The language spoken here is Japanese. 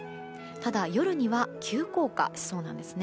ただ、夜には急降下しそうなんですね。